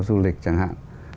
du lịch chẳng hạn